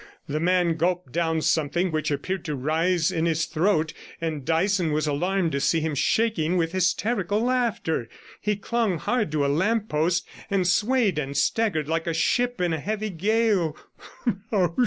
The man gulped down something which appeared to rise in his throat, and Dyson was alarmed to see him shaking with hysterical laughter; he clung hard to a lamp post, and swayed and staggered like a ship in a heavy gale.